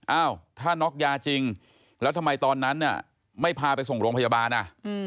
อ้าวถ้าน็อกยาจริงแล้วทำไมตอนนั้นเนี่ยไม่พาไปส่งโรงพยาบาลอ่ะ